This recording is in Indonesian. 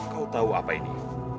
kau tahu apa ini